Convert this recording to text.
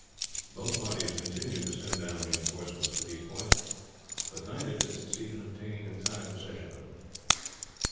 Both parties continued to send down reinforcements to these points, but neither could succeed in obtaining entire possession of them.